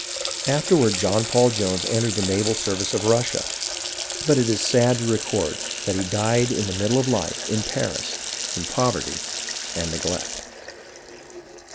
Afterward John Paul Jones entered the naval service of Russia, but it is sad to record that he died in middle life in Paris in poverty and neglect.